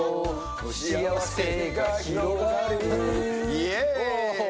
イエーイ！